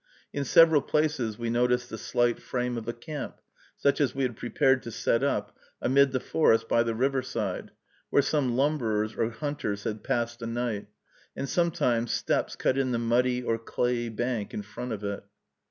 In several places we noticed the slight frame of a camp, such as we had prepared to set up, amid the forest by the riverside, where some lumberers or hunters had passed a night, and sometimes steps cut in the muddy or clayey bank in front of it.